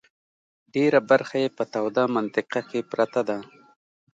ډېره برخه یې په توده منطقه کې پرته ده.